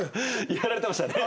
やられてましたね。